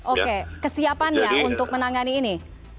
oke kesiapannya untuk menangani ini